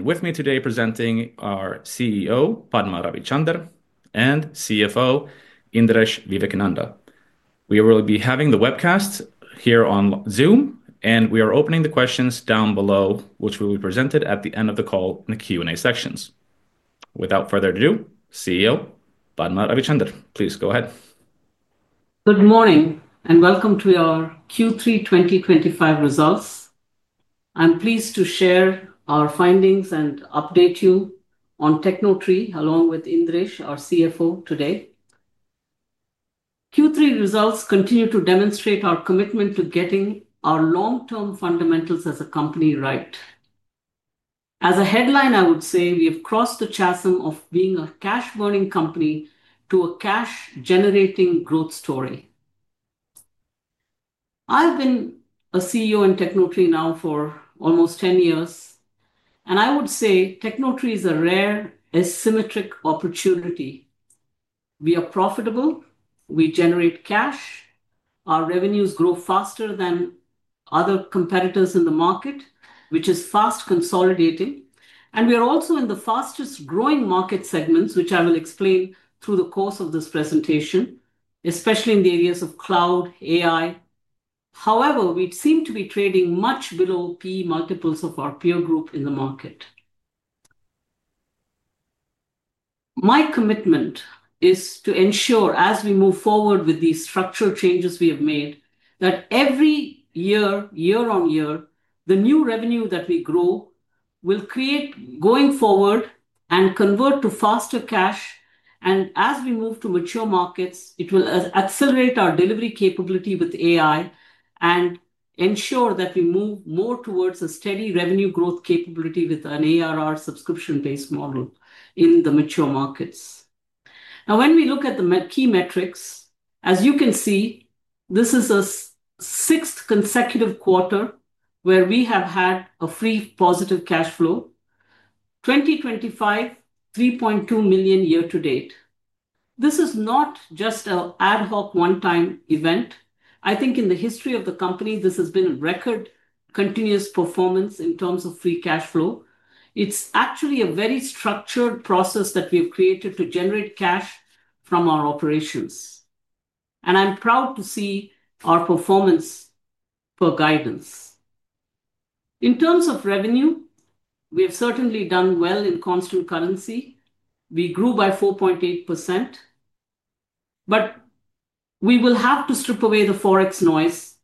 With me today presenting are our CEO, Padma Ravichander, and CFO, Indiresh Vivekananda. We will be having the webcast here on Zoom, and we are opening the questions down below, which will be presented at the end of the call in the Q&A sections. Without further ado, CEO, Padma Ravichander, please go ahead. Good morning and welcome to our Q3 2025 results. I'm pleased to share our findings and update you on Tecnotree, along with Indiresh, our CFO, today. Q3 results continue to demonstrate our commitment to getting our long-term fundamentals as a company right. As a headline, I would say we have crossed the chasm of being a cash-burning company to a cash-generating growth story. I've been a CEO in Tecnotree now for almost 10 years, and I would say Tecnotree is a rare asymmetric opportunity. We are profitable, we generate cash, our revenues grow faster than other competitors in the market, which is fast consolidating, and we are also in the fastest growing market segments, which I will explain through the course of this presentation, especially in the areas of cloud, AI. However, we seem to be trading much below P/E multiples of our peer group in the market. My commitment is to ensure, as we move forward with these structural changes we have made, that every year, year on year, the new revenue that we grow will create, going forward, and convert to faster cash. As we move to mature markets, it will accelerate our delivery capability with AI and ensure that we move more towards a steady revenue growth capability with an ARR subscription-based model in the mature markets. Now, when we look at the key metrics, as you can see, this is a sixth consecutive quarter where we have had a free positive cash flow: 2025, $3.2 million year to date. This is not just an ad hoc one-time event. I think in the history of the company, this has been a record continuous performance in terms of free cash flow. It's actually a very structured process that we have created to generate cash from our operations. I'm proud to see our performance per guidance. In terms of revenue, we have certainly done well in constant currency. We grew by 4.8%. We will have to strip away the forex noise,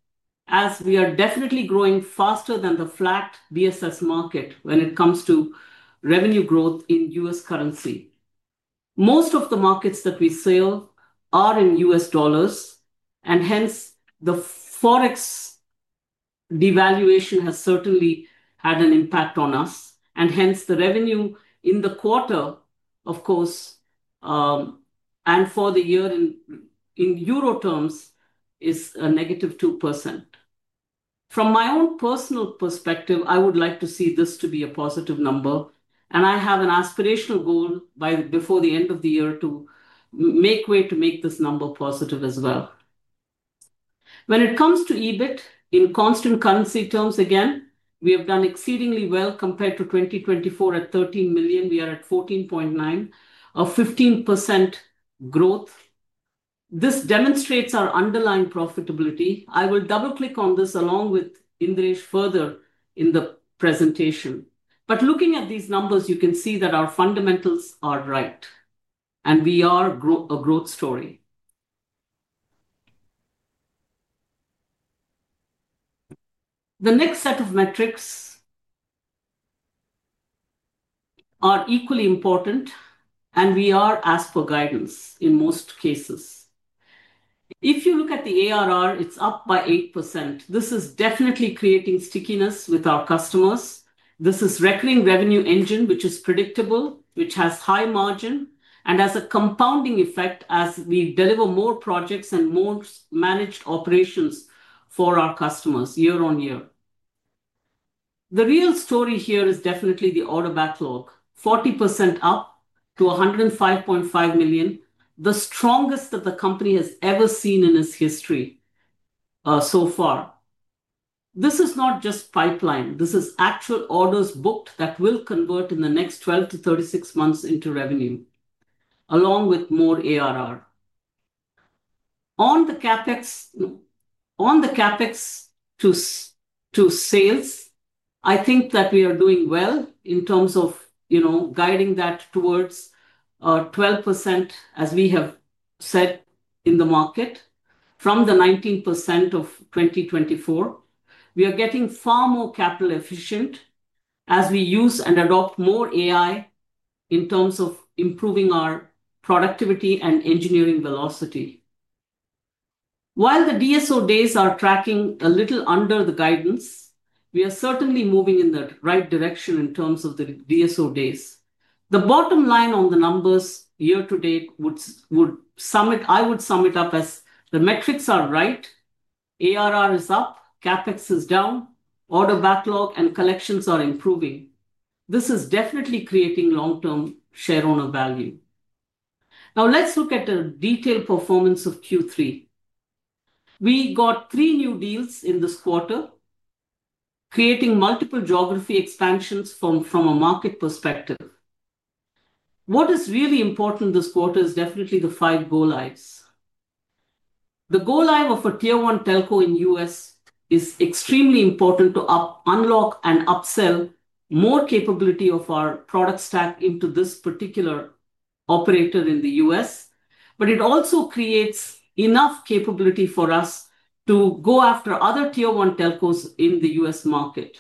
as we are definitely growing faster than the flat BSS market when it comes to revenue growth in U.S. currency. Most of the markets that we sell are in U.S. dollars, and hence the forex devaluation has certainly had an impact on us, and hence the revenue in the quarter, of course, and for the year in euro terms, is a -2%. From my own personal perspective, I would like to see this to be a positive number, and I have an aspirational goal before the end of the year to make way to make this number positive as well. When it comes to EBIT in constant currency terms, again, we have done exceedingly well compared to 2024 at $13 million. We are at 14.9% or 15% growth. This demonstrates our underlying profitability. I will double-click on this along with Indiresh further in the presentation. Looking at these numbers, you can see that our fundamentals are right, and we are a growth story. The next set of metrics are equally important, and we are as per guidance in most cases. If you look at the ARR, it's up by 8%. This is definitely creating stickiness with our customers. This is a recurring revenue engine, which is predictable, which has high margin, and has a compounding effect as we deliver more projects and more managed operations for our customers year on year. The real story here is definitely the order backlog: 40% up to $105.5 million, the strongest that the company has ever seen in its history so far. This is not just pipeline. This is actual orders booked that will convert in the next 12 months-36 months into revenue, along with more ARR. On the CapEx-to-sales, I think that we are doing well in terms of guiding that towards 12%, as we have said in the market, from the 19% of 2024. We are getting far more capital efficient as we use and adopt more AI in terms of improving our productivity and engineering velocity. While the DSO days are tracking a little under the guidance, we are certainly moving in the right direction in terms of the DSO days. The bottom line on the numbers year to date would sum it up as the metrics are right, ARR is up, CapEx is down, order backlog, and collections are improving. This is definitely creating long-term shareholder value. Now, let's look at the detailed performance of Q3. We got three new deals in this quarter, creating multiple geography expansions from a market perspective. What is really important this quarter is definitely the five Goal IV s. The Goal IV of a tier-one telco in the U.S. is extremely important to unlock and upsell more capability of our product stack into this particular operator in the U.S., but it also creates enough capability for us to go after other tier-one telcos in the U.S. market.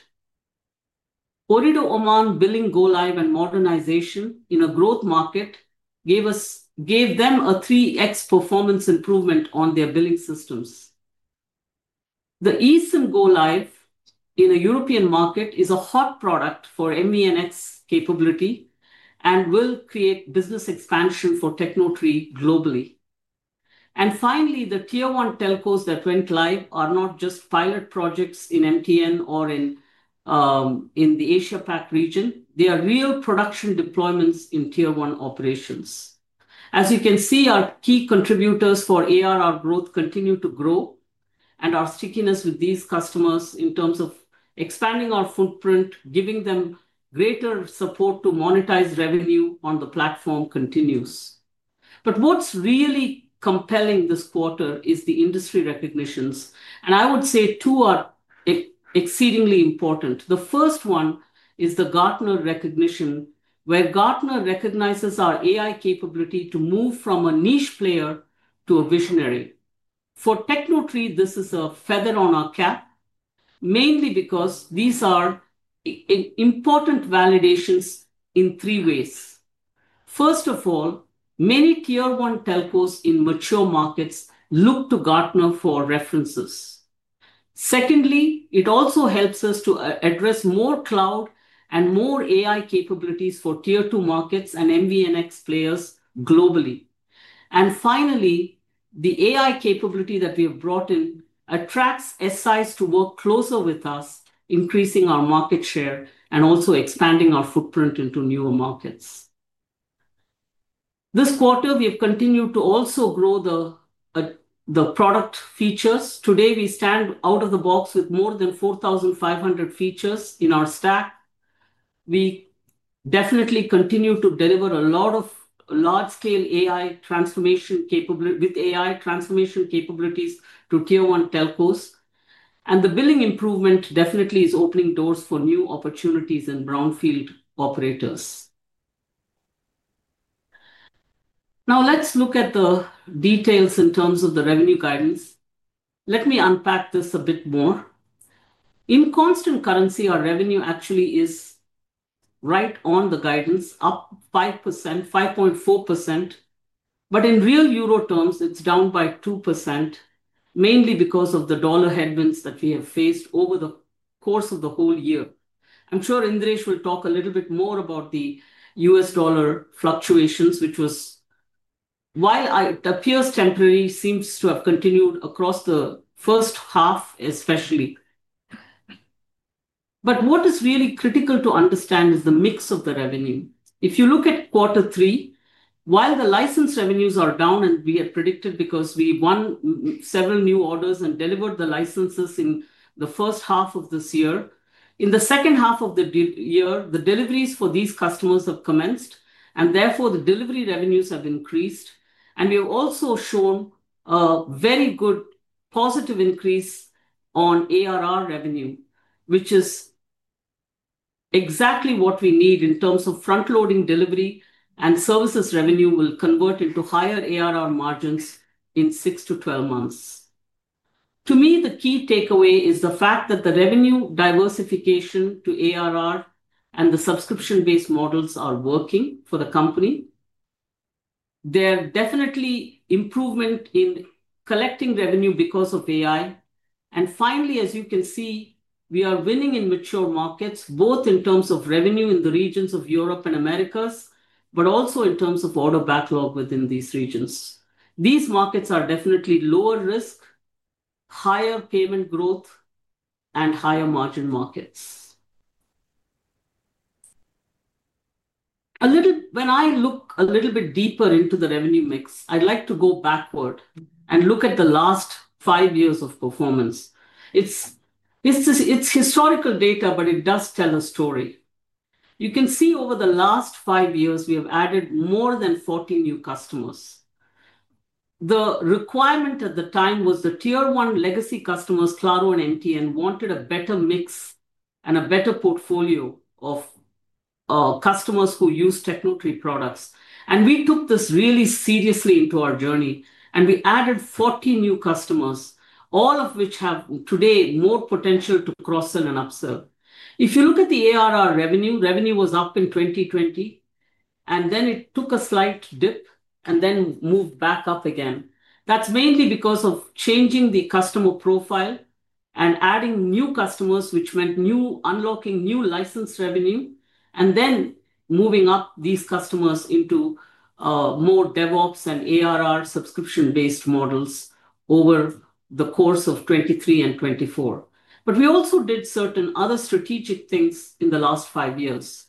Ooredoo Oman billing Goal IV and modernization in a growth market gave them a 3x performance improvement on their billing systems. The eSIM Goal IV in a European market is a hot product for MVNX capability and will create business expansion for Tecnotree globally. Finally, the tier one telcos that went live are not just pilot projects in MTN or in the Asia-Pac region. They are real production deployments in tier one operations. As you can see, our key contributors for ARR growth continue to grow, and our stickiness with these customers in terms of expanding our footprint, giving them greater support to monetize revenue on the platform continues. What is really compelling this quarter is the industry recognitions, and I would say two are exceedingly important. The first one is the Gartner recognition, where Gartner recognizes our AI capability to move from a niche player to a visionary. For Tecnotree, this is a feather on our cap, mainly because these are important validations in three ways. First of all, many tier one telcos in mature markets look to Gartner for references. Secondly, it also helps us to address more cloud and more AI capabilities for tier two markets and MVNX players globally. Finally, the AI capability that we have brought in attracts SIs to work closer with us, increasing our market share and also expanding our footprint into newer markets. This quarter, we have continued to also grow the product features. Today, we stand out of the box with more than 4,500 features in our stack. We definitely continue to deliver a lot of large-scale AI transformation capabilities to tier one telcos, and the billing improvement definitely is opening doors for new opportunities in brownfield operators. Now, let's look at the details in terms of the revenue guidance. Let me unpack this a bit more. In constant currency, our revenue actually is right on the guidance, up 5.4%, but in real euro terms, it's down by 2%, mainly because of the dollar headwinds that we have faced over the course of the whole year. I'm sure Indiresh will talk a little bit more about the U.S. dollar fluctuations, which was, while it appears temporary, seems to have continued across the first half especially. What is really critical to understand is the mix of the revenue. If you look at quarter three, while the license revenues are down, and we had predicted because we won several new orders and delivered the licenses in the first half of this year, in the second half of the year, the deliveries for these customers have commenced, and therefore the delivery revenues have increased. We have also shown a very good positive increase on ARR revenue, which is exactly what we need in terms of front-loading delivery, and services revenue will convert into higher ARR margins in 6 months-12 months. To me, the key takeaway is the fact that the revenue diversification to ARR and the subscription-based models are working for the company. There are definitely improvements in collecting revenue because of AI. Finally, as you can see, we are winning in mature markets, both in terms of revenue in the regions of Europe and Americas, but also in terms of order backlog within these regions. These markets are definitely lower risk, higher payment growth, and higher margin markets. When I look a little bit deeper into the revenue mix, I'd like to go backward and look at the last five years of performance. It's historical data, but it does tell a story. You can see over the last five years, we have added more than 14 new customers. The requirement at the time was that tier one legacy customers, Claro and MTN, wanted a better mix and a better portfolio of customers who use Tecnotree products. We took this really seriously into our journey, and we added 14 new customers, all of which have today more potential to cross-sell and upsell. If you look at the ARR revenue, revenue was up in 2020, and then it took a slight dip and then moved back up again. That's mainly because of changing the customer profile and adding new customers, which meant unlocking new licensed revenue and then moving up these customers into more DevOps and ARR subscription-based models over the course of 2023 and 2024. We also did certain other strategic things in the last five years.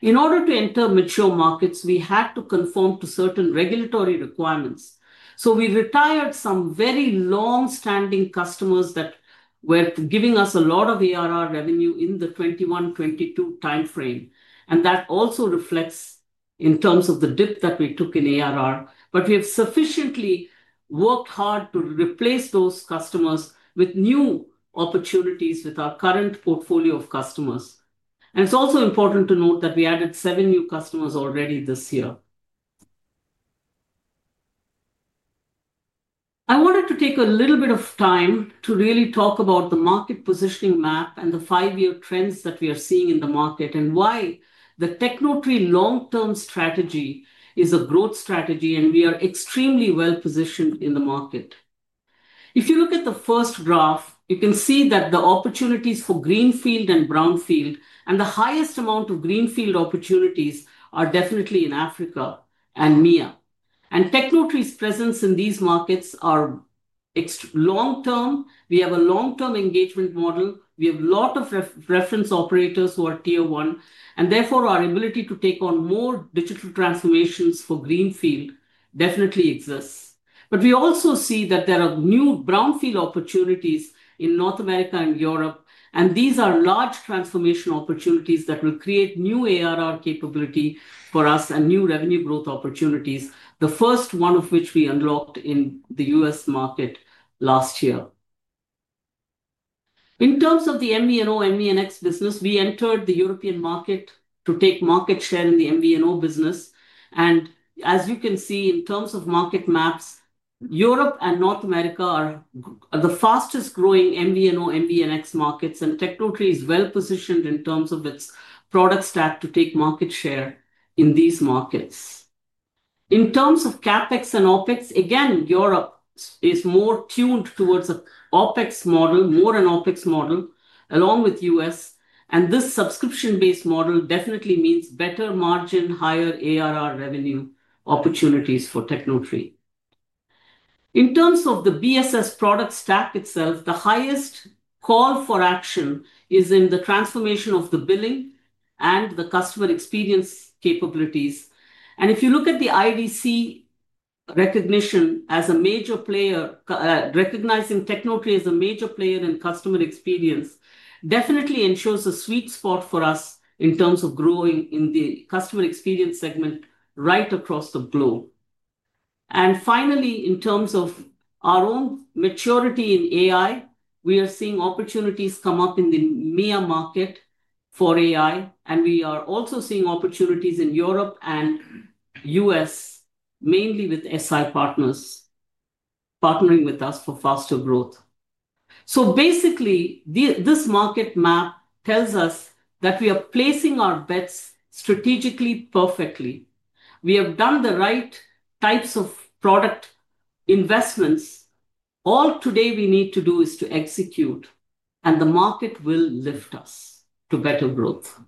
In order to enter mature markets, we had to conform to certain regulatory requirements. We retired some very long-standing customers that were giving us a lot of ARR revenue in the 2021-2022 timeframe. That also reflects in terms of the dip that we took in ARR. We have sufficiently worked hard to replace those customers with new opportunities with our current portfolio of customers. It's also important to note that we added seven new customers already this year. I wanted to take a little bit of time to really talk about the market positioning map and the five-year trends that we are seeing in the market and why the Tecnotree long-term strategy is a growth strategy, and we are extremely well positioned in the market. If you look at the first graph, you can see that the opportunities for greenfield and brownfield, and the highest amount of greenfield opportunities are definitely in Africa and MEA. Tecnotree's presence in these markets is long-term. We have a long-term engagement model. We have a lot of reference operators who are tier one, and therefore our ability to take on more digital transformations for greenfield definitely exists. We also see that there are new brownfield opportunities in North America and Europe. These are large transformation opportunities that will create new ARR capability for us and new revenue growth opportunities, the first one of which we unlocked in the U.S. market last year. In terms of the MVNO, MVNX business, we entered the European market to take market share in the MVNO business. As you can see, in terms of market maps, Europe and North America are the fastest growing MVNO, MVNX markets, and Tecnotree is well positioned in terms of its product stack to take market share in these markets. In terms of CapEx and OpEx, again, Europe is more tuned towards an OpEx model, more an OpEx model, along with the U.S. This subscription-based model definitely means better margin, higher ARR revenue opportunities for Tecnotree. In terms of the BSS product stack itself, the highest call for action is in the transformation of the billing and the customer experience capabilities. If you look at the IDC recognition as a major player, recognizing Tecnotree as a major player in customer experience definitely ensures a sweet spot for us in terms of growing in the customer experience segment right across the globe. Finally, in terms of our own maturity in AI, we are seeing opportunities come up in the MEA market for AI, and we are also seeing opportunities in Europe and U.S., mainly with SI partners partnering with us for faster growth. Basically, this market map tells us that we are placing our bets strategically perfectly. We have done the right types of product investments. All today we need to do is to execute, and the market will lift us to better growth.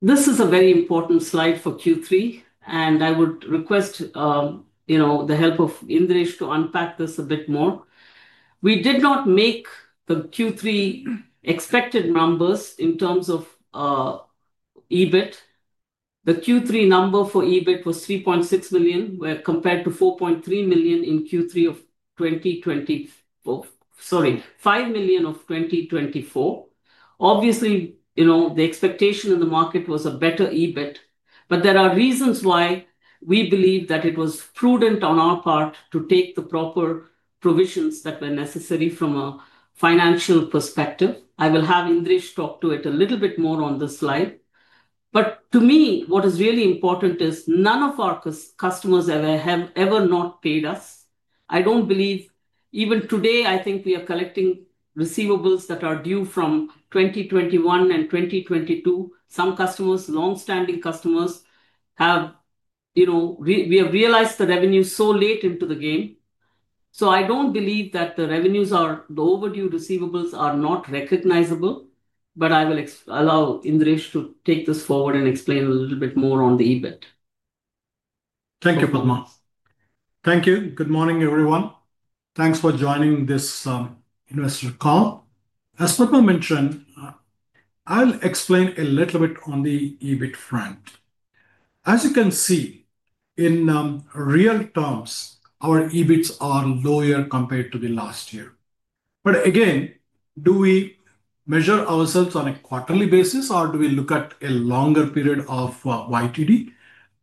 This is a very important slide for Q3, and I would request the help of Indiresh to unpack this a bit more. We did not make the Q3 expected numbers in terms of EBIT. The Q3 number for EBIT was $3.6 million, compared to $4.3 million in Q3 of 2024. Sorry, $5 million of 2024. Obviously, the expectation in the market was a better EBIT, but there are reasons why we believe that it was prudent on our part to take the proper provisions that were necessary from a financial perspective. I will have Indiresh talk to it a little bit more on this slide. To me, what is really important is none of our customers have ever not paid us. I don't believe, even today, I think we are collecting receivables that are due from 2021 and 2022. Some customers, long-standing customers, have, you know, we have realized the revenue so late into the game. I don't believe that the revenues or the overdue receivables are not recognizable, but I will allow Indiresh to take this forward and explain a little bit more on the EBIT. Thank you, Padma. Thank you. Good morning, everyone. Thanks for joining this investor call. As Padma mentioned, I'll explain a little bit on the EBIT front. As you can see, in real terms, our EBITs are lower compared to the last year. Do we measure ourselves on a quarterly basis, or do we look at a longer period of YTD?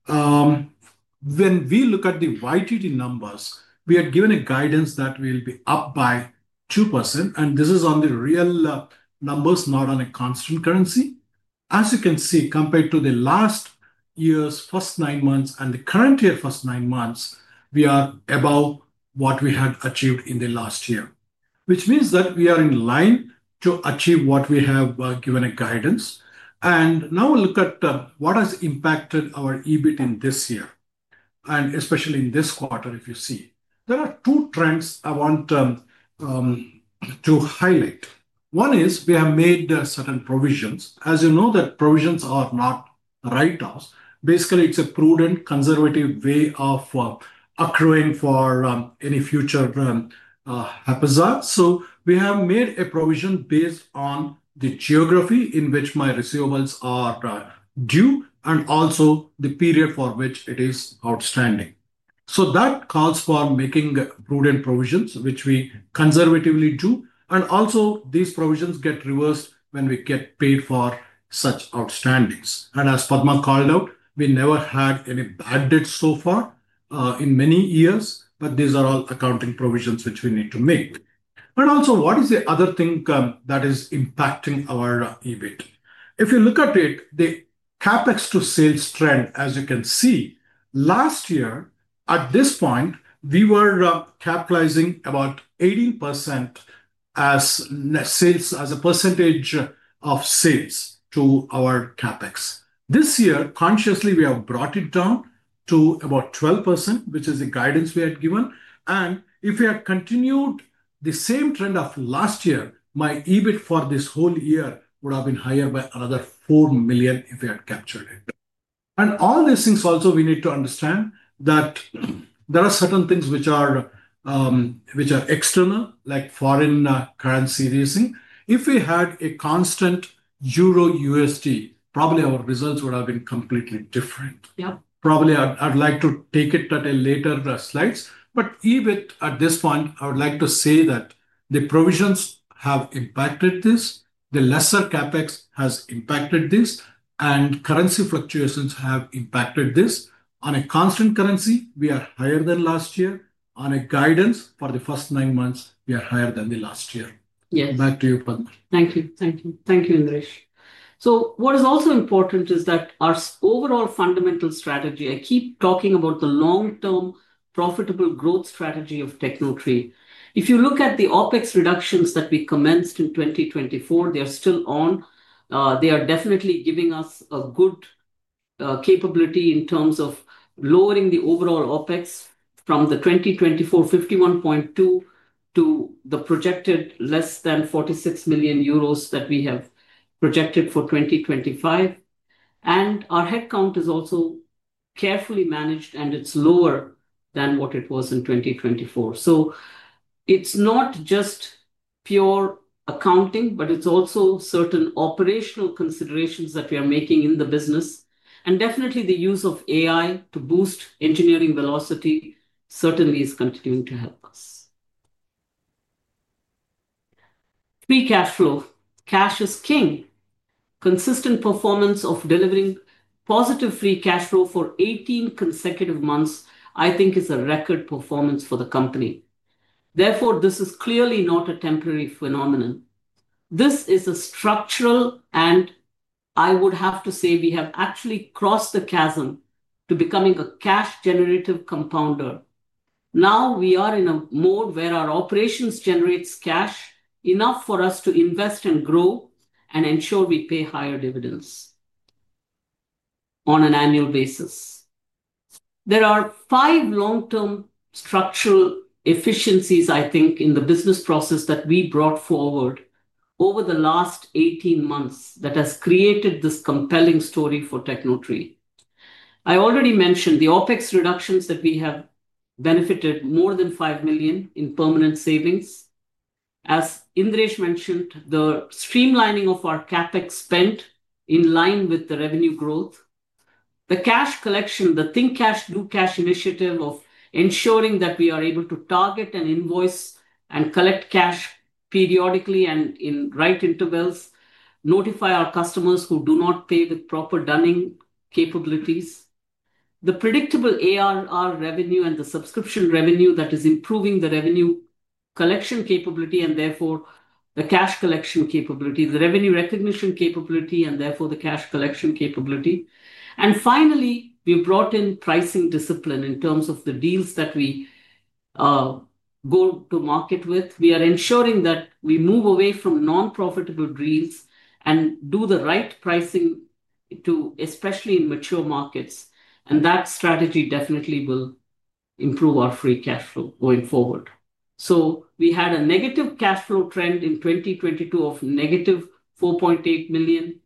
When we look at the YTD numbers, we are given a guidance that we will be up by 2%, and this is on the real numbers, not on a constant currency. As you can see, compared to the last year's first nine months and the current year's first nine months, we are above what we had achieved in the last year, which means that we are in line to achieve what we have given a guidance. Now we'll look at what has impacted our EBIT in this year, and especially in this quarter, if you see. There are two trends I want to highlight. One is we have made certain provisions. As you know, provisions are not write-offs. Basically, it's a prudent, conservative way of accruing for any future haphazard. We have made a provision based on the geography in which my receivables are due and also the period for which it is outstanding. That calls for making prudent provisions, which we conservatively do, and also these provisions get reversed when we get paid for such outstandings. As Padma called out, we never had any bad debt so far in many years, but these are all accounting provisions which we need to make. Also, what is the other thing that is impacting our EBIT? If you look at it, the CapEx-to-sales trend, as you can see, last year, at this point, we were capitalizing about 18% as a percentage of sales to our CapEx. This year, consciously, we have brought it down to about 12%, which is the guidance we had given. If we had continued the same trend of last year, my EBIT for this whole year would have been higher by another $4 million if we had captured it. All these things also, we need to understand that there are certain things which are external, like foreign currency raising. If we had a constant EURUSD, probably our results would have been completely different. Probably I'd like to take it at a later slide. EBIT at this point, I would like to say that the provisions have impacted this. The lesser CapEx has impacted this, and currency fluctuations have impacted this. On a constant currency, we are higher than last year. On a guidance for the first nine months, we are higher than the last year. Back to you, Padma. Thank you. Thank you. Thank you, Indiresh. What is also important is that our overall fundamental strategy, I keep talking about the long-term profitable growth strategy of Tecnotree. If you look at the OpEx reductions that we commenced in 2024, they are still on. They are definitely giving us a good capability in terms of lowering the overall OpEx from the 2024 51.2 million to the projected less than 46 million euros that we have projected for 2025. Our headcount is also carefully managed, and it's lower than what it was in 2024. It's not just pure accounting, but it's also certain operational considerations that we are making in the business. The use of AI to boost engineering velocity certainly is continuing to help us. Free cash flow. Cash is king. Consistent performance of delivering positive free cash flow for 18 consecutive months, I think, is a record performance for the company. This is clearly not a temporary phenomenon. This is structural, and I would have to say we have actually crossed the chasm to becoming a cash-generative compounder. Now we are in a mode where our operations generate cash enough for us to invest and grow and ensure we pay higher dividends on an annual basis. There are five long-term structural efficiencies, I think, in the business process that we brought forward over the last 18 months that have created this compelling story for Tecnotree. I already mentioned the OpEx reductions that we have benefited more than 5 million in permanent savings. As Indiresh mentioned, the streamlining of our CapEx spend in line with the revenue growth. The cash collection, the Think Cash Do Cash initiative of ensuring that we are able to target and invoice and collect cash periodically and in right intervals, notify our customers who do not pay with proper dunning capabilities. The predictable ARR revenue and the subscription revenue that is improving the revenue collection capability and therefore the cash collection capability, the revenue recognition capability, and therefore the cash collection capability. Finally, we've brought in pricing discipline in terms of the deals that we go to market with. We are ensuring that we move away from non-profitable deals and do the right pricing especially in mature markets. That strategy definitely will improve our free cash flow going forward. We had a negative cash flow trend in 2022 of -4.8 million.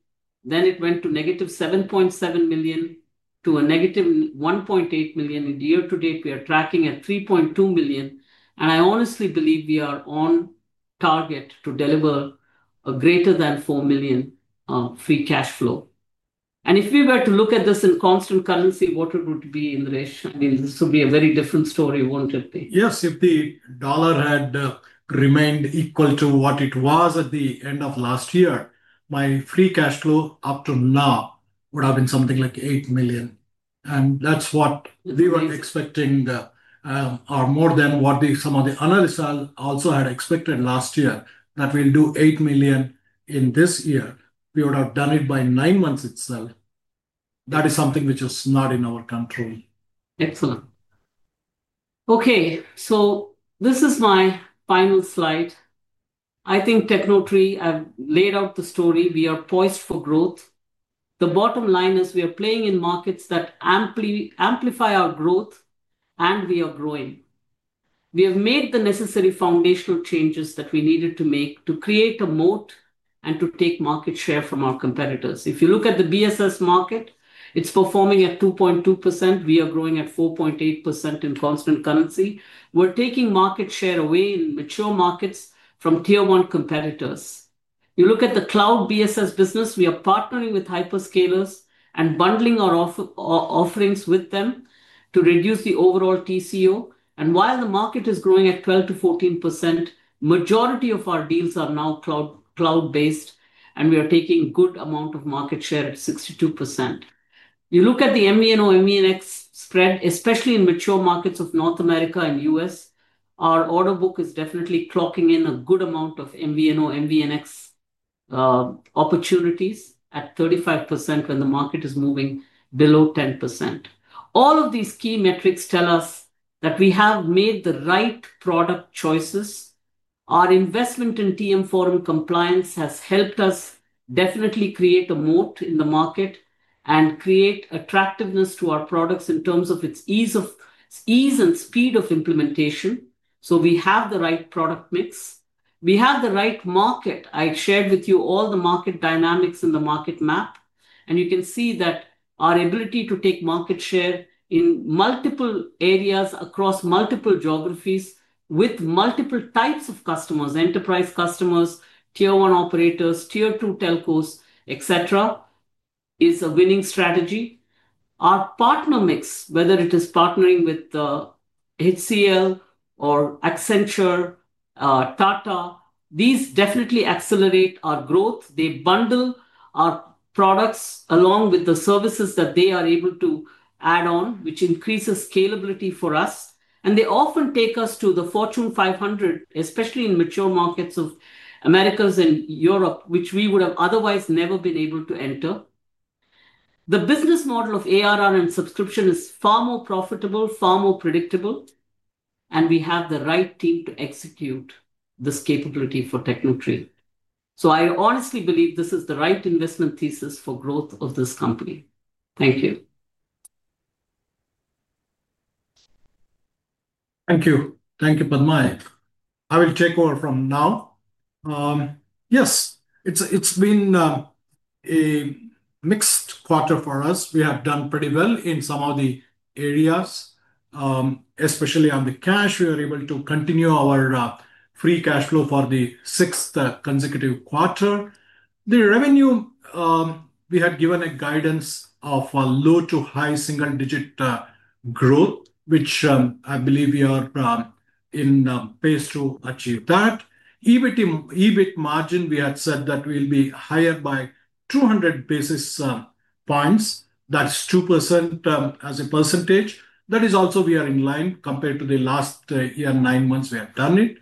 It went to -7.7 million to a -1.8 million in year to date. We are tracking at 3.2 million. I honestly believe we are on target to deliver a greater than 4 million free cash flow. If we were to look at this in constant currency, what would it be? I mean, this would be a very different story, won't it be? Yes, if the dollar had remained equal to what it was at the end of last year, my free cash flow up to now would have been something like $8 million. That's what we were expecting, or more than what some of the analysts also had expected last year that we'll do $8 million in this year. We would have done it by nine months itself. That is something which is not in our control. Excellent. Okay, so this is my final slide. I think Tecnotree, I've laid out the story. We are poised for growth. The bottom line is we are playing in markets that amplify our growth, and we are growing. We have made the necessary foundational changes that we needed to make to create a moat and to take market share from our competitors. If you look at the BSS market, it's performing at 2.2%. We are growing at 4.8% in constant currency. We're taking market share away in mature markets from tier one competitors. You look at the cloud BSS business, we are partnering with hyperscalers and bundling our offerings with them to reduce the overall TCO. While the market is growing at 12%-14%, the majority of our deals are now cloud-based, and we are taking a good amount of market share at 62%. You look at the MVNO/MVNX spread, especially in mature markets of North America and the U.S., our order book is definitely clocking in a good amount of MVNO/MVNX opportunities at 35% when the market is moving below 10%. All of these key metrics tell us that we have made the right product choices. Our investment in TM Forum compliance has helped us definitely create a moat in the market and create attractiveness to our products in terms of its ease and speed of implementation. We have the right product mix. We have the right market. I shared with you all the market dynamics in the market map, and you can see that our ability to take market share in multiple areas across multiple geographies with multiple types of customers, enterprise customers, tier one operators, tier two telcos, etc., is a winning strategy. Our partner mix, whether it is partnering with HCL or Accenture, Tata, these definitely accelerate our growth. They bundle our products along with the services that they are able to add on, which increases scalability for us. They often take us to the Fortune 500, especially in mature markets of the Americas and Europe, which we would have otherwise never been able to enter. The business model of ARR and subscription is far more profitable, far more predictable, and we have the right team to execute this capability for Tecnotree. I honestly believe this is the right investment thesis for growth of this company. Thank you. Thank you. Thank you, Padma. I will take over from now. Yes, it's been a mixed quarter for us. We have done pretty well in some of the areas, especially on the cash. We are able to continue our free cash flow for the sixth consecutive quarter. The revenue, we had given a guidance of low to high single-digit growth, which I believe we are in pace to achieve that. EBIT margin, we had said that we'll be higher by 200 basis points. That's 2% as a percentage. That is also we are in line compared to the last year nine months we have done it.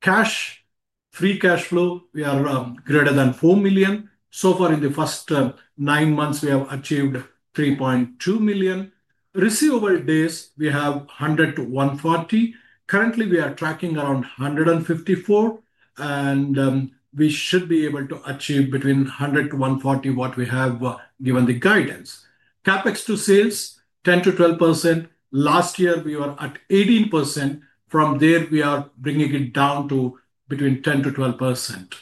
Cash, free cash flow, we are greater than $4 million. So far in the first nine months, we have achieved $3.2 million. Receivable days, we have 100-140. Currently, we are tracking around 154, and we should be able to achieve between 100-140 what we have given the guidance. CapEx to sales, 10%-12%. Last year, we were at 18%. From there, we are bringing it down to between 10%-12%.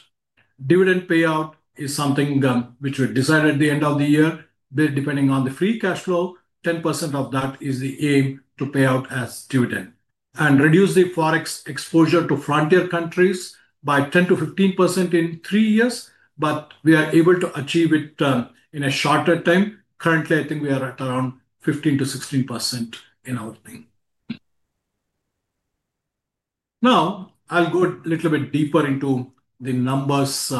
Dividend payout is something which we decided at the end of the year. Depending on the free cash flow, 10% of that is the aim to pay out as dividend and reduce the forex exposure to frontier countries by 10%-15% in three years. We are able to achieve it in a shorter time. Currently, I think we are at around 15%-16% in our thing. Now, I'll go a little bit deeper into the numbers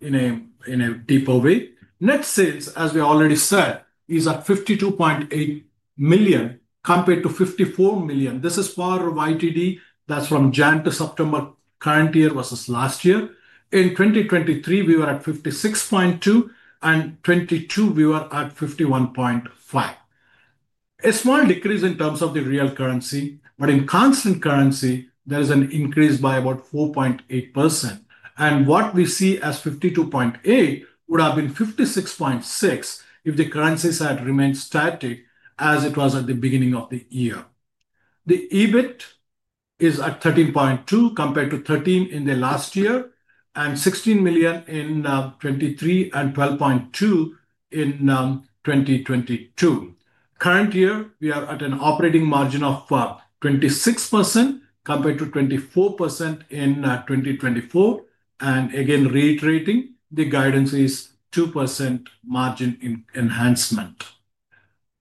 in a deeper way. Net sales, as we already said, is at $52.8 million compared to $54 million. This is part of YTD. That's from January to September current year versus last year. In 2023, we were at $56.2 million, and in 2022, we were at $51.5 million. A small decrease in terms of the real currency, but in constant currency, there is an increase by about 4.8%. What we see as $52.8 million would have been $56.6 million if the currencies had remained static as it was at the beginning of the year. The EBIT is at $13.2 million compared to $13 million in the last year and $16 million in 2023 and $12.2 million in 2022. Current year, we are at an operating margin of 26% compared to 24% in 2024. Again, reiterating, the guidance is 2% margin enhancement.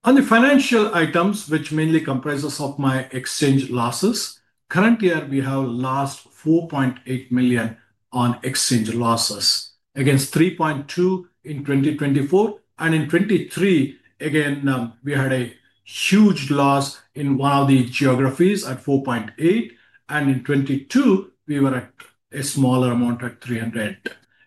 On the financial items, which mainly comprises of my exchange losses, current year we have lost $4.8 million on exchange losses against $3.2 million in 2024. In 2023, again, we had a huge loss in one of the geographies at $4.8 million. In 2022, we were at a smaller amount at $0.3 million.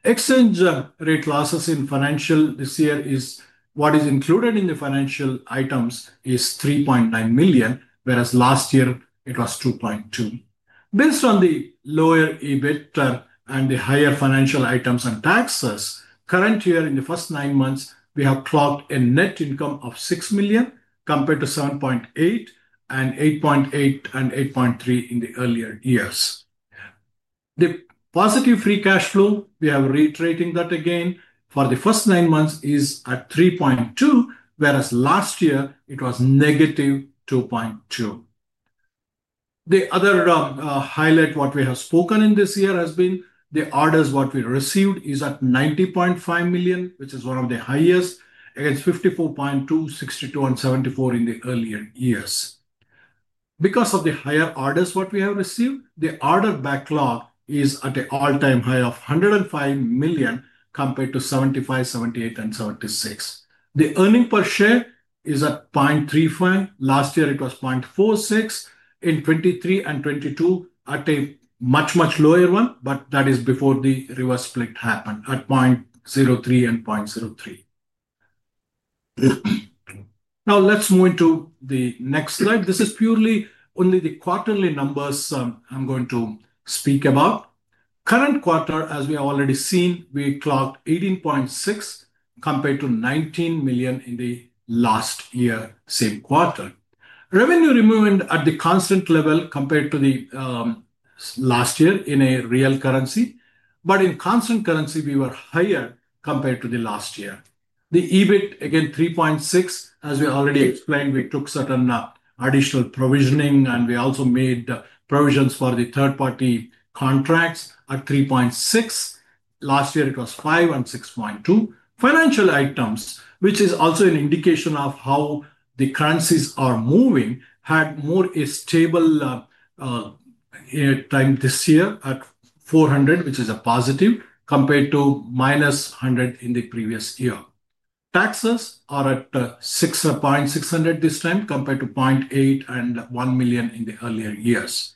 Exchange rate losses in financial this year is what is included in the financial items is $3.9 million, whereas last year it was $2.2 million. Based on the lower EBIT and the higher financial items and taxes, current year in the first nine months, we have clocked a net income of 6 million compared to 7.8 million, 8.8 million, and 8.3 million in the earlier years. The positive free cash flow, we have reiterating that again for the first nine months, is at 3.2 million, whereas last year it was -2.2 million. The other highlight what we have spoken in this year has been the orders what we received is at 90.5 million, which is one of the highest against 54.2 million, 62 million, and 74 million in the earlier years. Because of the higher orders what we have received, the order backlog is at an all-time high of 105 million compared to 75 million, 78 million, and 76 million. The earnings per share is at 0.35. Last year it was 0.46. In 2023 and 2022, at a much, much lower one, but that is before the reverse split happened at 0.03 and 0.03. Now let's move into the next slide. This is purely only the quarterly numbers I'm going to speak about. Current quarter, as we have already seen, we clocked 18.6 million compared to 19 million in the last year, same quarter. Revenue removed at the constant level compared to the last year in a real currency. In constant currency, we were higher compared to the last year. The EBIT, again, 3.6 million. As we already explained, we took certain additional provisioning, and we also made provisions for the third-party contracts at 3.6 million. Last year it was 5 million and 6.2 million. Financial items, which is also an indication of how the currencies are moving, had more a stable time this year at 0.4 million, which is a positive compared to -0.1 million in the previous year. Taxes are at 6.6 million this time compared to 0.8 million and 1 million in the earlier years.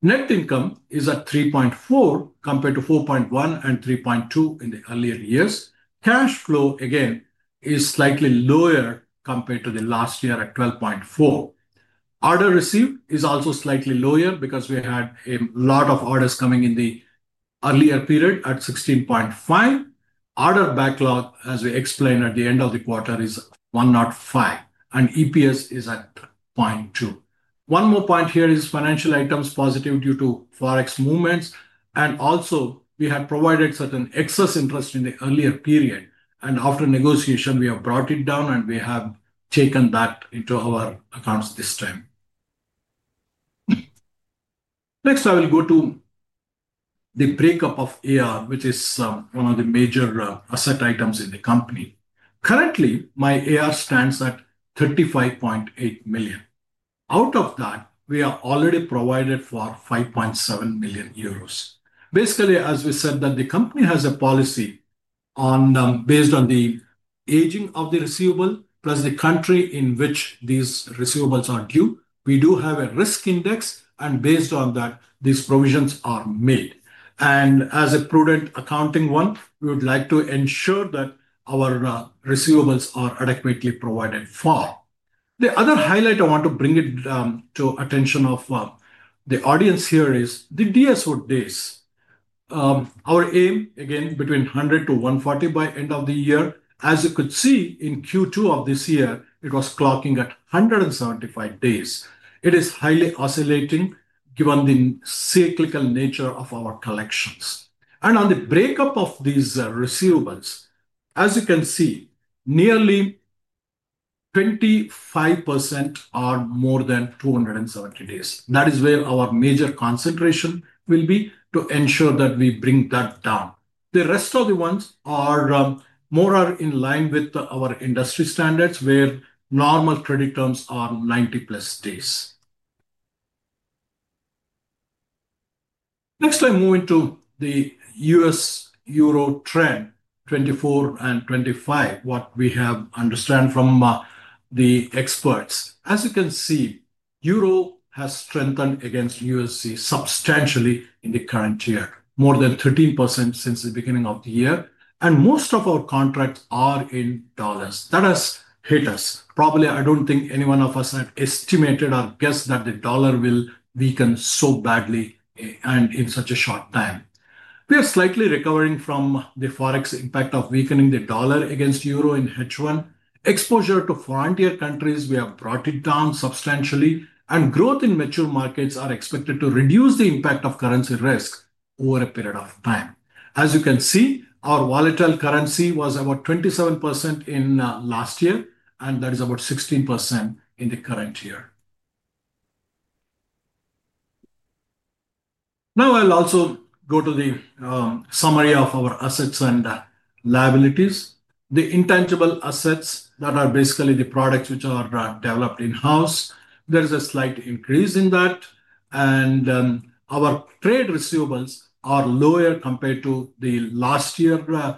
Net income is at 3.4 million compared to 4.1 million and 3.2 million in the earlier years. Cash flow, again, is slightly lower compared to the last year at 12.4 million. Order received is also slightly lower because we had a lot of orders coming in the earlier period at 16.5 million. Order backlog, as we explained at the end of the quarter, is 1.5 million, and EPS is at 0.2. One more point here is financial items positive due to forex movements. We had provided certain excess interest in the earlier period. After negotiation, we have brought it down, and we have taken that into our accounts this time. Next, I will go to the breakup of AR, which is one of the major asset items in the company. Currently, my AR stands at 35.8 million. Out of that, we are already provided for 5.7 million euros. Basically, as we said, the company has a policy based on the aging of the receivable plus the country in which these receivables are due. We do have a risk index, and based on that, these provisions are made. As a prudent accounting one, we would like to ensure that our receivables are adequately provided for. The other highlight I want to bring to the attention of the audience here is the DSO days. Our aim, again, is between 100-140 by end of the year. As you could see, in Q2 of this year, it was clocking at 175 days. It is highly oscillating given the cyclical nature of our collections. On the breakup of these receivables, as you can see, nearly 25% are more than 270 days. That is where our major concentration will be to ensure that we bring that down. The rest of the ones are more in line with our industry standards, where normal credit terms are 90+ days. Next, I move into the U.S. euro trend, 2024 and 2025, what we have understood from the experts. As you can see, euro has strengthened against USD substantially in the current year, more than 13% since the beginning of the year. Most of our contracts are in dollars. That has hit us. Probably, I don't think any one of us had estimated or guessed that the dollar would weaken so badly and in such a short time. We are slightly recovering from the forex impact of weakening the dollar against euro in hedge funds. Exposure to frontier countries, we have brought it down substantially, and growth in mature markets is expected to reduce the impact of currency risk over a period of time. As you can see, our volatile currency was about 27% in last year, and that is about 16% in the current year. Now I'll also go to the summary of our assets and liabilities. The intangible assets that are basically the products which are developed in-house, there is a slight increase in that. Our trade receivables are lower compared to last year's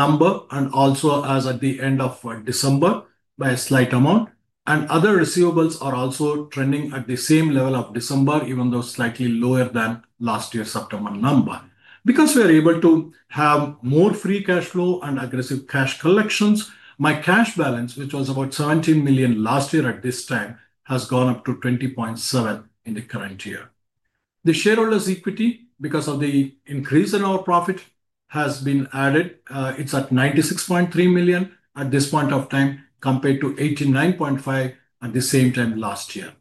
number, and also as at the end of December, by a slight amount. Other receivables are also trending at the same level of December, even though slightly lower than last year's September number. Because we are able to have more free cash flow and aggressive cash collections, my cash balance, which was about $17 million last year at this time, has gone up to $20.7 million in the current year. The shareholders' equity, because of the increase in our profit, has been added. It's at $96.3 million at this point of time compared to $89.5 million at the same time last year.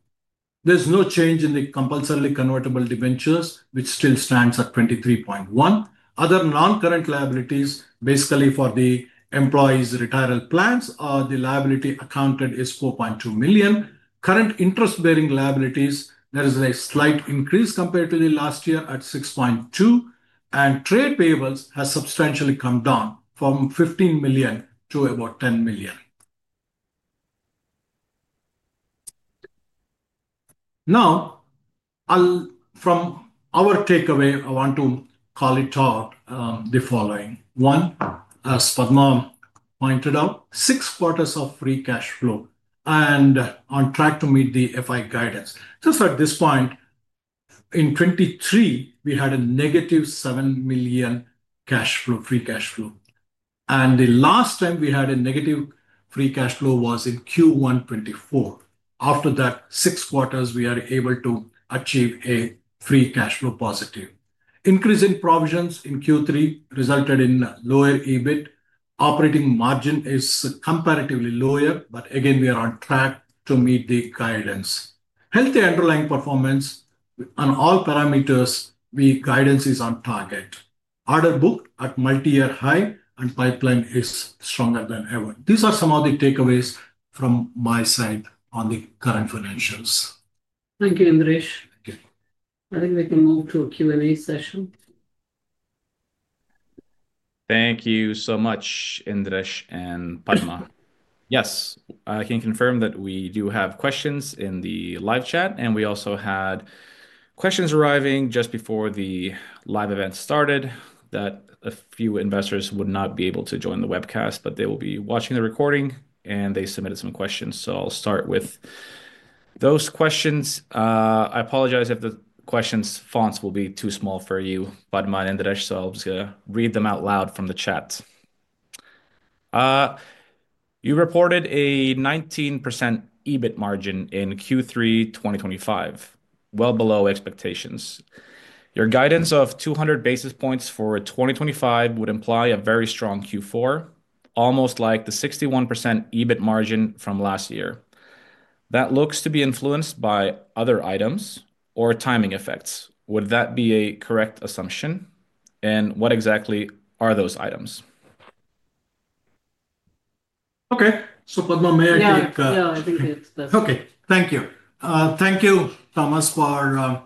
There's no change in the compulsory convertible dividends, which still stands at $23.1 million. Other non-current liabilities, basically for the employees' retirement plans, the liability accounted is $4.2 million. Current interest-bearing liabilities, there is a slight increase compared to last year at $6.2 million. Trade payables have substantially come down from $15 million to about $10 million. Now, from our takeaway, I want to call out the following. One, as Padma pointed out, six quarters of free cash flow and on track to meet the FI guidance. Just at this point, in 2023, we had a -$7 million free cash flow. The last time we had a negative free cash flow was in Q1 2024. After that, six quarters, we are able to achieve a free cash flow positive. Increase in provisions in Q3 resulted in lower EBIT. Operating margin is comparatively lower, but again, we are on track to meet the guidance. Healthy underlying performance on all parameters, the guidance is on target. Order book at multi-year high and pipeline is stronger than ever. These are some of the takeaways from my side on the current financials. Thank you, Indiresh. I think we can move to a Q&A session. Thank you so much, Indiresh and Padma. Yes, I can confirm that we do have questions in the live chat, and we also had questions arriving just before the live event started that a few investors would not be able to join the webcast, but they will be watching the recording, and they submitted some questions. I'll start with those questions. I apologize if the questions' fonts will be too small for you, Padma and Indiresh, so I'm just going to read them out loud from the chat. You reported a 19% EBIT margin in Q3 2025, well below expectations. Your guidance of 200 basis points for 2025 would imply a very strong Q4, almost like the 61% EBIT margin from last year. That looks to be influenced by other items or timing effects. Would that be a correct assumption, and what exactly are those items? Okay, Padma, may I take? Yeah, I think it's best. Okay, thank you. Thank you, Thomas, for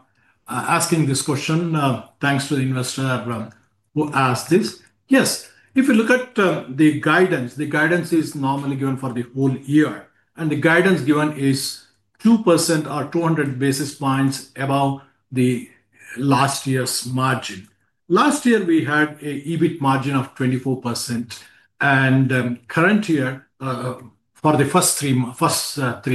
asking this question. Thanks to the investor who asked this. Yes, if you look at the guidance, the guidance is normally given for the whole year, and the guidance given is 2% or 200 basis points above the last year's margin. Last year, we had an EBIT margin of 24%, and current year, for the first three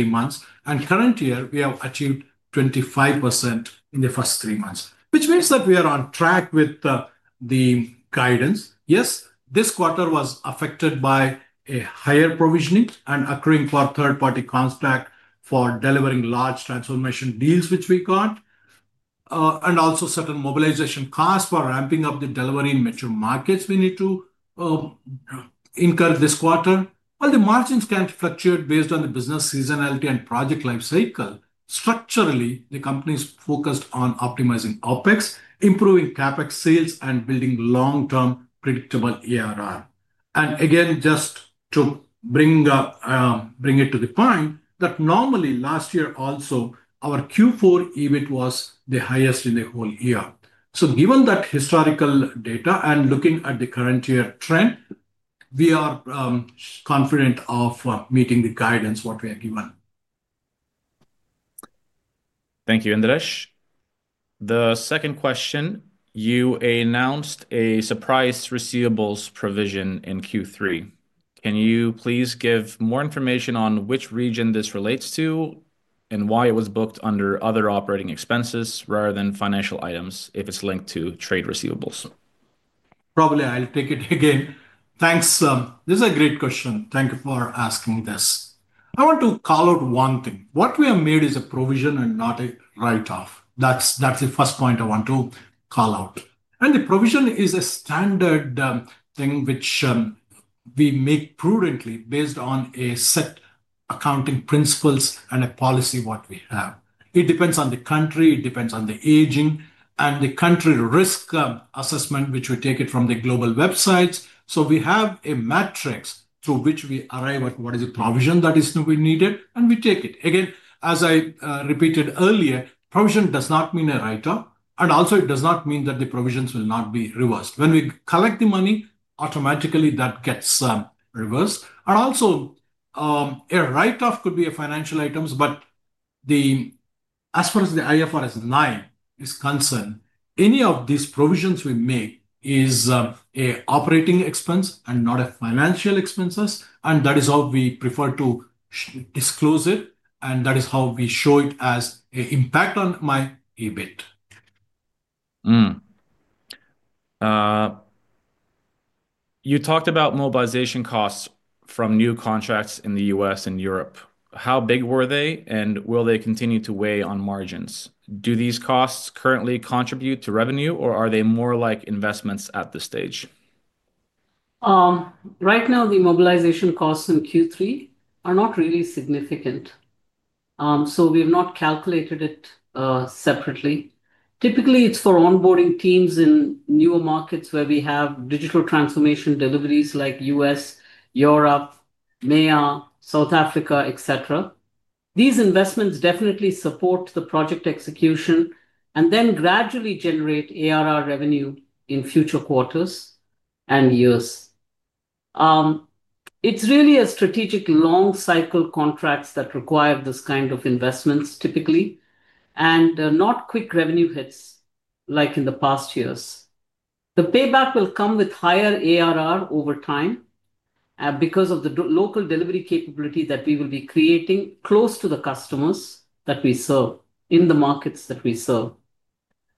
months, and current year, we have achieved 25% in the first three months, which means that we are on track with the guidance. This quarter was affected by a higher provisioning and accruing for third-party contracts for delivering large transformation deals, which we got, and also certain mobilization costs for ramping up the delivery in mature markets we need to incur this quarter. The margins can fluctuate based on the business seasonality and project lifecycle. Structurally, the company is focused on optimizing OpEx, improving CapEx-to-sales, and building long-term predictable ARR. Again, just to bring it to the point that normally last year also our Q4 EBIT was the highest in the whole year. Given that historical data and looking at the current year trend, we are confident of meeting the guidance what we are given. Thank you, Indiresh. The second question, you announced a surprise receivables provision in Q3. Can you please give more information on which region this relates to and why it was booked under other operating expenses rather than financial items if it's linked to trade receivables? Probably I'll take it again. Thanks. This is a great question. Thank you for asking this. I want to call out one thing. What we have made is a provision and not a write-off. That's the first point I want to call out. The provision is a standard thing which we make prudently based on a set accounting principles and a policy what we have. It depends on the country, it depends on the aging, and the country risk assessment, which we take it from the global websites. We have a matrix through which we arrive at what is the provision that is to be needed, and we take it. Again, as I repeated earlier, provision does not mean a write-off, and also it does not mean that the provisions will not be reversed. When we collect the money, automatically that gets reversed. Also, a write-off could be a financial item, but as far as the IFRS 9 is concerned, any of these provisions we make is an operating expense and not a financial expense, and that is how we prefer to disclose it, and that is how we show it as an impact on my EBIT. You talked about mobilization costs from new contracts in the U.S. and Europe. How big were they, and will they continue to weigh on margins? Do these costs currently contribute to revenue, or are they more like investments at this stage? Right now, the mobilization costs in Q3 are not really significant, so we have not calculated it separately. Typically, it's for onboarding teams in newer markets where we have digital transformation deliveries like U.S., Europe, MEA, South Africa, etc. These investments definitely support the project execution and then gradually generate ARR revenue in future quarters and years. It's really a strategic long-cycle contracts that require this kind of investments typically, and not quick revenue hits like in the past years. The payback will come with higher ARR over time because of the local delivery capability that we will be creating close to the customers that we serve in the markets that we serve.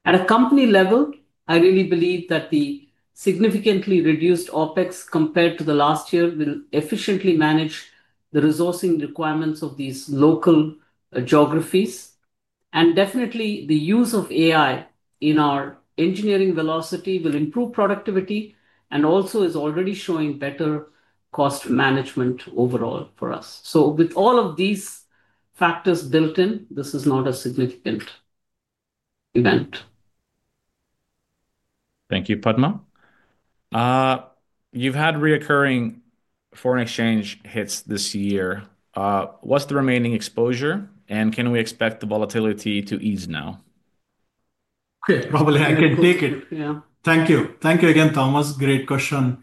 At a company level, I really believe that the significantly reduced OpEx compared to the last year will efficiently manage the resourcing requirements of these local geographies. The use of AI in our engineering velocity will improve productivity and also is already showing better cost management overall for us. With all of these factors built in, this is not a significant event. Thank you, Padma. You've had recurring foreign exchange hits this year. What's the remaining exposure, and can we expect the volatility to ease now? Okay, probably I can take it. Yeah, thank you. Thank you again, Thomas. Great question.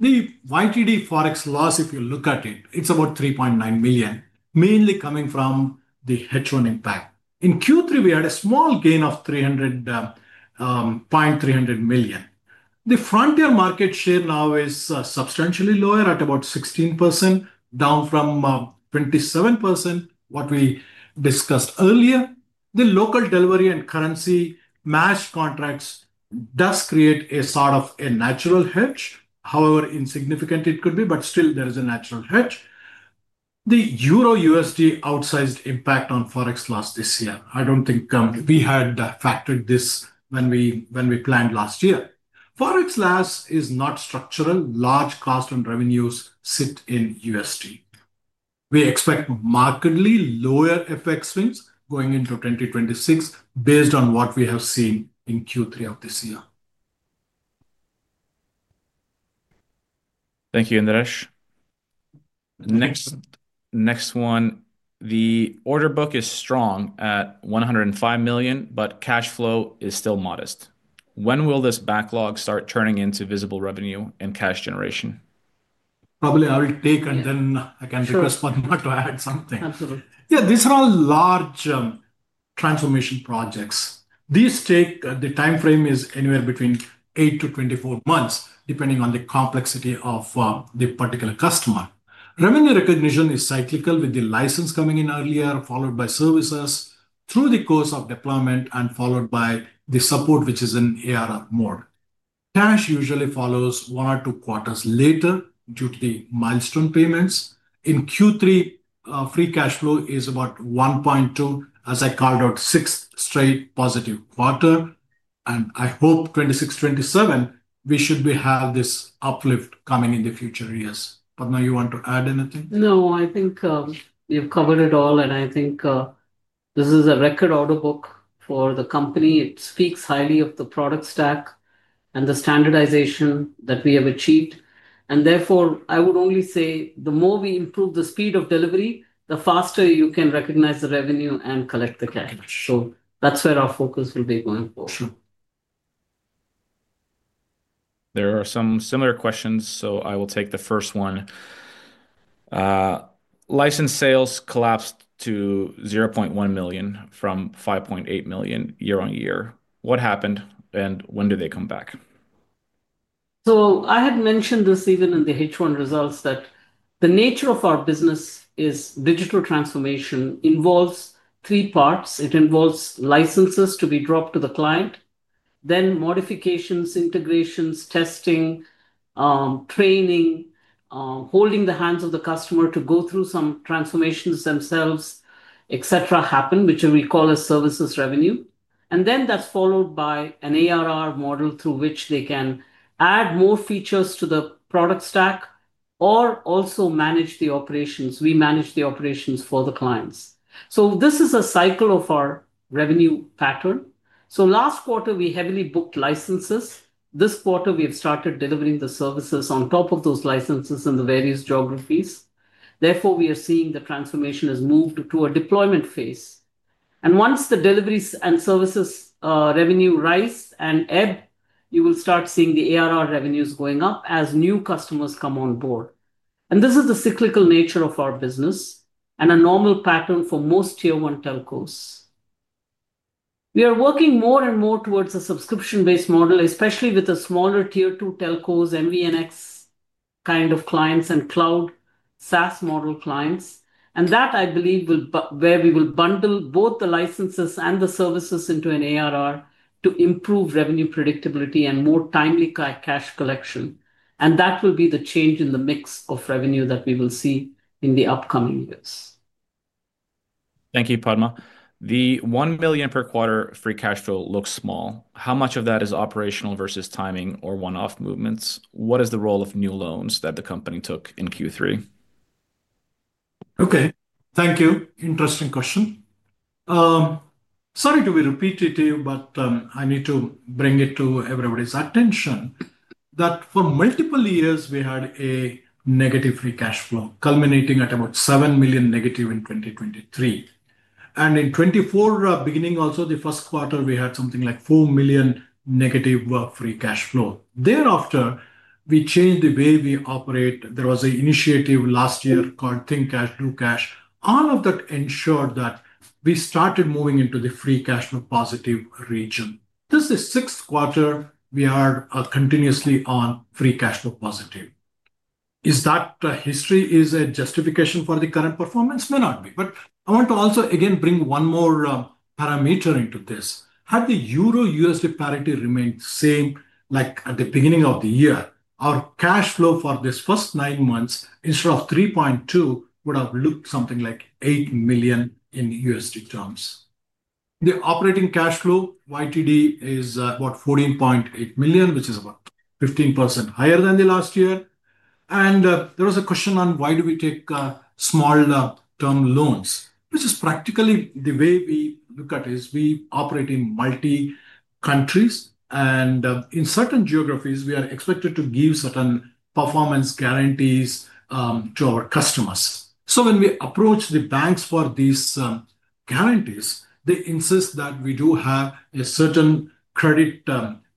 The YTD forex loss, if you look at it, it's about $3.9 million, mainly coming from the hedge fund impact. In Q3, we had a small gain of $0.3 million. The frontier market share now is substantially lower at about 16%, down from 27% we discussed earlier. The local delivery and currency match contracts do create a sort of a natural hedge. However insignificant it could be, but still there is a natural hedge. The EURUSD outsized impact on forex loss this year. I don't think we had factored this when we planned last year. Forex loss is not structural. Large cost and revenues sit in USD. We expect markedly lower FX swings going into 2026 based on what we have seen in Q3 of this year. Thank you, Indiresh. Next one, the order book is strong at $105 million, but cash flow is still modest. When will this backlog start turning into visible revenue and cash generation? Probably I'll take, and then I can request Padma to add something. Absolutely. Yeah, these are all large transformation projects. These take the timeframe anywhere between 8 to 24 months, depending on the complexity of the particular customer. Revenue recognition is cyclical, with the license coming in earlier, followed by services through the course of deployment, and followed by the support, which is in ARR mode. Cash usually follows one or two quarters later due to the milestone payments. In Q3, free cash flow is about $1.2 million, as I called out, sixth straight positive quarter. I hope 2026-2027, we should have this uplift coming in the future years. Padma, you want to add anything? No, I think you've covered it all, and I think this is a record order book for the company. It speaks highly of the product stack and the standardization that we have achieved. Therefore, I would only say the more we improve the speed of delivery, the faster you can recognize the revenue and collect the cash. That's where our focus will be going forward. There are some similar questions, so I will take the first one. License sales collapsed to $0.1 million from $5.8 million year on year. What happened, and when do they come back? I had mentioned this even in the H1 results that the nature of our business is digital transformation, which involves three parts. It involves licenses to be dropped to the client, then modifications, integrations, testing, training, holding the hands of the customer to go through some transformations themselves, etc. happen, which we call as services revenue. That's followed by an ARR model through which they can add more features to the product stack or also manage the operations. We manage the operations for the clients. This is a cycle of our revenue pattern. Last quarter, we heavily booked licenses. This quarter, we have started delivering the services on top of those licenses in the various geographies. Therefore, we are seeing the transformation has moved to a deployment phase. Once the deliveries and services revenue rise and ebb, you will start seeing the ARR revenues going up as new customers come on board. This is the cyclical nature of our business and a normal pattern for most tier one telcos. We are working more and more towards a subscription-based model, especially with the smaller tier two telcos, MVNX kind of clients, and cloud SaaS model clients. That, I believe, will be where we will bundle both the licenses and the services into an ARR to improve revenue predictability and more timely cash collection. That will be the change in the mix of revenue that we will see in the upcoming years. Thank you, Padma. The $1 million per quarter free cash flow looks small. How much of that is operational versus timing or one-off movements? What is the role of new loans that the company took in Q3? Okay, thank you. Interesting question. Sorry to be repeated here, but I need to bring it to everybody's attention that for multiple years, we had a negative free cash flow culminating at about -$7 million in 2023. In 2024, beginning also the first quarter, we had something like -$4 million free cash flow. Thereafter, we changed the way we operate. There was an initiative last year called Think Cash Do Cash. All of that ensured that we started moving into the free cash flow positive region. This is the sixth quarter we are continuously on free cash flow positive. Is that a history? Is it a justification for the current performance? May not be. I want to also again bring one more parameter into this. Had the EURUSD parity remained the same, like at the beginning of the year, our cash flow for this first nine months, instead of $3.2 million, would have looked something like $8 million in USD terms. The operating cash flow YTD is about $14.8 million, which is about 15% higher than last year. There was a question on why do we take small-term loans, which is practically the way we look at it. We operate in multiple countries, and in certain geographies, we are expected to give certain performance guarantees to our customers. When we approach the banks for these guarantees, they insist that we do have a certain credit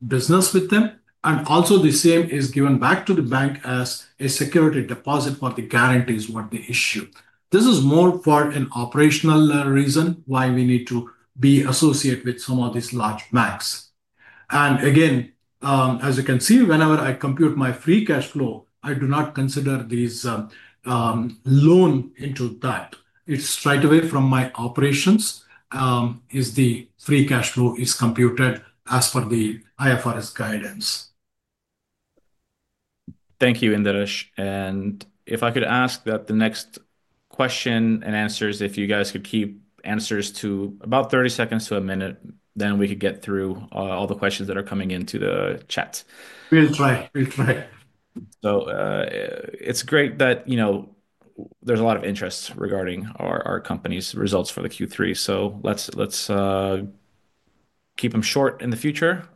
business with them, and also the same is given back to the bank as a security deposit for the guarantees they issue. This is more for an operational reason why we need to be associated with some of these large banks. As you can see, whenever I compute my free cash flow, I do not consider these loans into that. It's straight away from my operations as the free cash flow is computed as per the IFRS guidance. Thank you, Indiresh. If I could ask that the next question and answers, if you guys could keep answers to about 30 seconds to a minute, we could get through all the questions that are coming into the chat. We'll try. We'll try. It's great that, you know, there's a lot of interest regarding our company's results for the Q3. Let's keep them short in the future.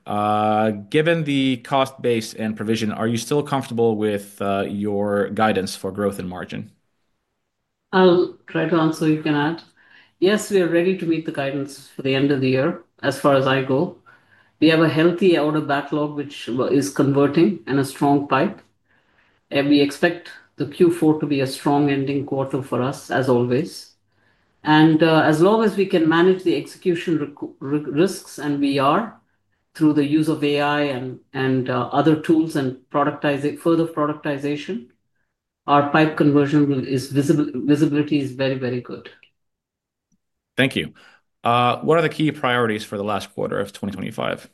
Given the cost-based and provision, are you still comfortable with your guidance for growth in margin? I'll try to answer, you can add. Yes, we are ready to meet the guidance for the end of the year, as far as I go. We have a healthy order backlog, which is converting and a strong pipe. We expect Q4 to be a strong ending quarter for us, as always. As long as we can manage the execution risks and we are through the use of AI and other tools and further productization, our pipe conversion visibility is very, very good. Thank you. What are the key priorities for the last quarter of 2025?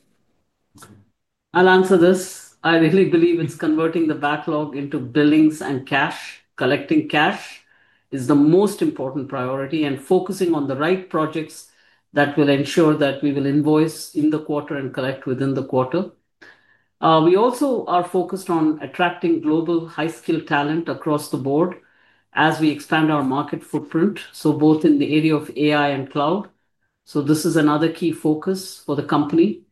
I'll answer this. I really believe it's converting the backlog into billings and cash. Collecting cash is the most important priority and focusing on the right projects that will ensure that we will invoice in the quarter and collect within the quarter. We also are focused on attracting global high-skilled talent across the board as we expand our market footprint, both in the area of AI and cloud. This is another key focus for the company.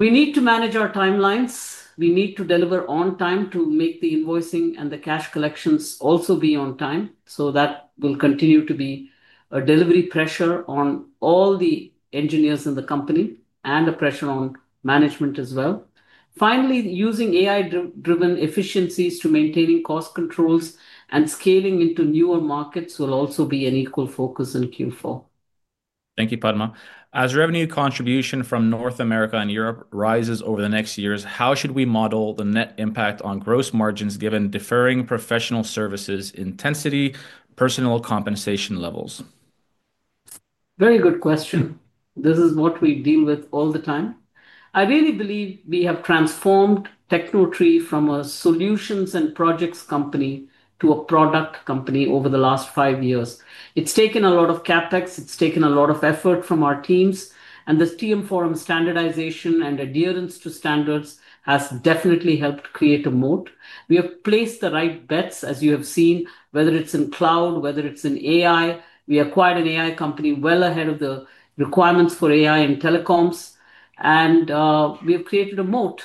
We need to manage our timelines. We need to deliver on time to make the invoicing and the cash collections also be on time. That will continue to be a delivery pressure on all the engineers in the company and a pressure on management as well. Finally, using AI-driven efficiencies to maintain cost controls and scaling into newer markets will also be an equal focus in Q4. Thank you, Padma. As revenue contribution from North America and Europe rises over the next years, how should we model the net impact on gross margins given deferring professional services, intensity, personal compensation levels? Very good question. This is what we deal with all the time. I really believe we have transformed Tecnotree from a solutions and projects company to a product company over the last five years. It's taken a lot of CapEx. It's taken a lot of effort from our teams, and the TM Forum standardization and adherence to standards has definitely helped create a moat. We have placed the right bets, as you have seen, whether it's in cloud, whether it's in AI. We acquired an AI company well ahead of the requirements for AI in telecoms, and we have created a moat.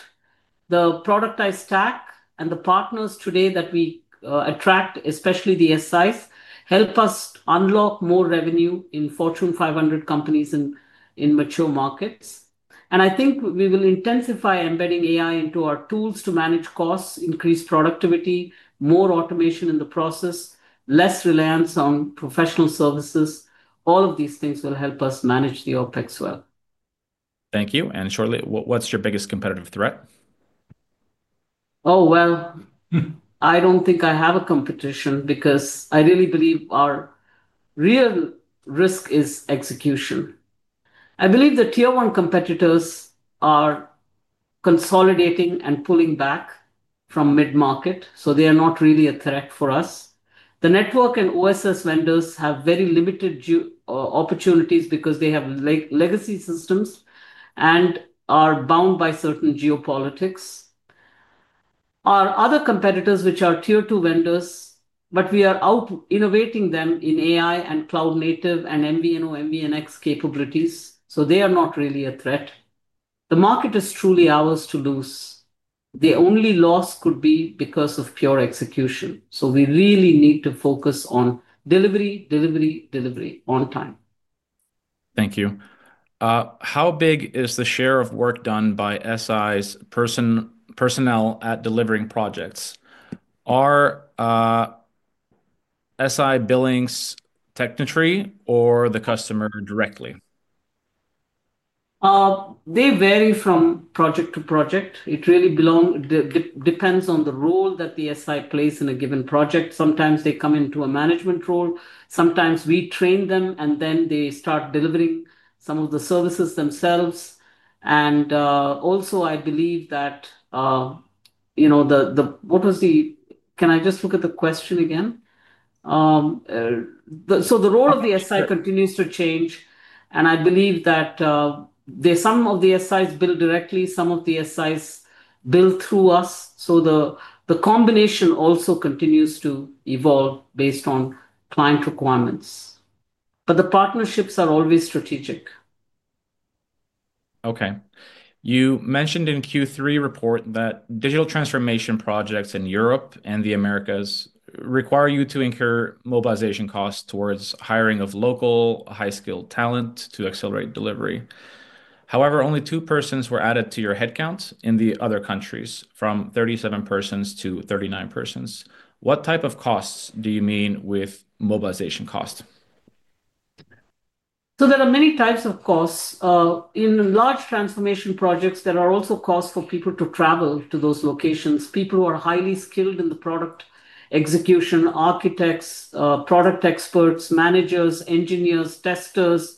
The productized stack and the partners today that we attract, especially the SIs, help us unlock more revenue in Fortune 500 companies in mature markets. I think we will intensify embedding AI into our tools to manage costs, increase productivity, more automation in the process, less reliance on professional services. All of these things will help us manage the OpEx well. Thank you. Shortly, what's your biggest competitive threat? I don't think I have a competition because I really believe our real risk is execution. I believe the tier one competitors are consolidating and pulling back from mid-market, so they are not really a threat for us. The network and OSS vendors have very limited opportunities because they have legacy systems and are bound by certain geopolitics. Our other competitors, which are tier two vendors, but we are out innovating them in AI and cloud-native and MVNO/MVNX capabilities, so they are not really a threat. The market is truly ours to lose. The only loss could be because of pure execution. We really need to focus on delivery, delivery, delivery on time. Thank you. How big is the share of work done by system integrators' personnel at delivering projects? Are system integrator billings Tecnotree or the customer directly? They vary from project to project. It really depends on the role that the SI plays in a given project. Sometimes they come into a management role. Sometimes we train them, and then they start delivering some of the services themselves. I believe that, you know, what was the, can I just look at the question again? The role of the SI continues to change, and I believe that some of the SIs bill directly, some of the SIs bill through us. The combination also continues to evolve based on client requirements. The partnerships are always strategic. Okay. You mentioned in the Q3 report that digital transformation projects in Europe and the Americas require you to incur mobilization costs towards hiring of local high-skilled talent to accelerate delivery. However, only two persons were added to your headcount in the other countries, from 37 persons to 39 persons. What type of costs do you mean with mobilization costs? There are many types of costs. In large transformation projects, there are also costs for people to travel to those locations, people who are highly skilled in the product execution, architects, product experts, managers, engineers, testers.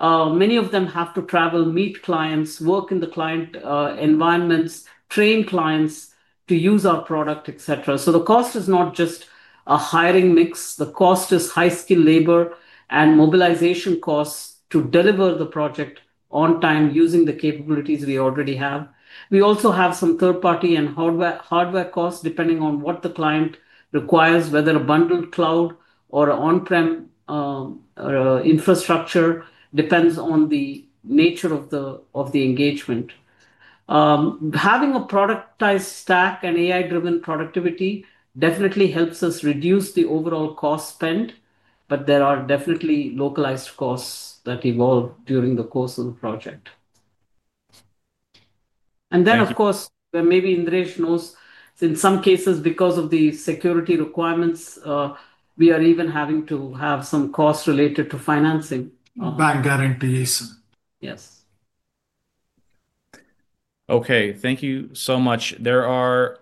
Many of them have to travel, meet clients, work in the client environments, train clients to use our product, etc. The cost is not just a hiring mix. The cost is high-skilled labor and mobilization costs to deliver the project on time using the capabilities we already have. We also have some third-party and hardware costs, depending on what the client requires, whether a bundled cloud or an on-prem infrastructure depends on the nature of the engagement. Having a productized stack and AI-driven productivity definitely helps us reduce the overall cost spend, but there are definitely localized costs that evolve during the course of the project. Of course, maybe Indiresh knows, in some cases, because of the security requirements, we are even having to have some costs related to financing. Bank guarantees. Yes. Okay, thank you so much. There are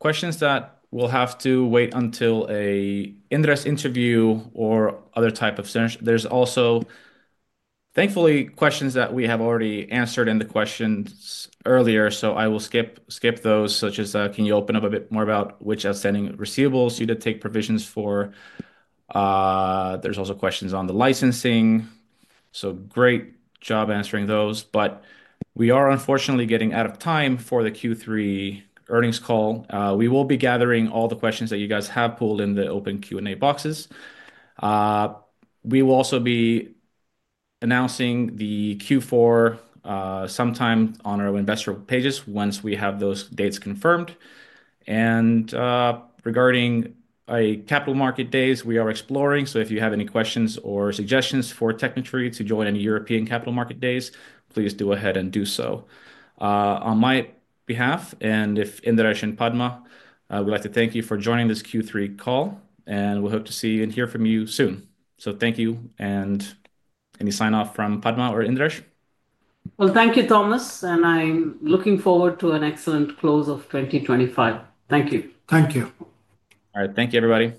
questions that we'll have to wait until an Indiresh interview or other type of session. There's also, thankfully, questions that we have already answered in the questions earlier, so I will skip those, such as can you open up a bit more about which outstanding receivables you did take provisions for? There's also questions on the licensing. Great job answering those, but we are unfortunately getting out of time for the Q3 earnings call. We will be gathering all the questions that you guys have pulled in the open Q&A boxes. We will also be announcing the Q4 sometime on our investor pages once we have those dates confirmed. Regarding capital market days, we are exploring, so if you have any questions or suggestions for Tecnotree to join any European capital market days, please do ahead and do so on my behalf. If Indiresh and Padma would like to thank you for joining this Q3 call, and we hope to see and hear from you soon. Thank you, and any sign-off from Padma or Indiresh? Thank you, Thomas, and I'm looking forward to an excellent close of 2025. Thank you. Thank you. All right, thank you, everybody.